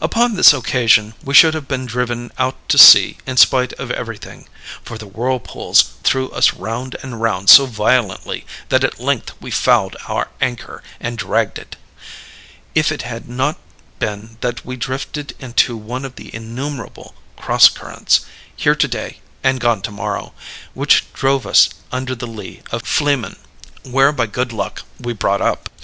"Upon this occasion we should have been driven out to sea in spite of everything (for the whirlpools threw us round and round so violently that at length we fouled our anchor and dragged it), if it had not been that we drifted into one of the innumerable cross currents here to day and gone to morrow which drove us under the lee of Flimen, where by good luck we brought up.